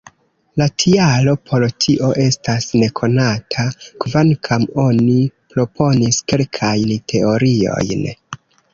La tialo por tio estas nekonata, kvankam oni proponis kelkajn teoriojn.